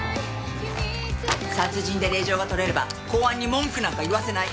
殺人で令状が取れれば公安に文句なんか言わせない。